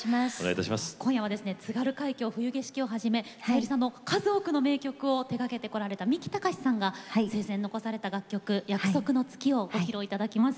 今夜は「津軽海峡・冬景色」をはじめさゆりさんの名曲の数多くを手がけられた三木たかしさんが生前に残された楽曲の「約束の月」をご披露いただきます。